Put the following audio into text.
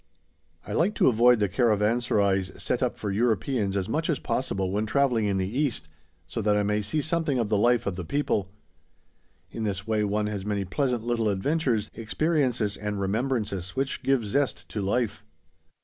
I like to avoid the caravanserais set up for Europeans as much as possible when travelling in the East, so that I may see something of the life of the people. In this way one has many pleasant little adventures, experiences and remembrances, which give zest to life.